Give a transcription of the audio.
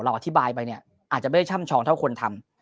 อธิบายไปเนี่ยอาจจะไม่ได้ช่ำชองเท่าคนทำ